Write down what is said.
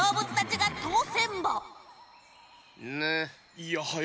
いやはや。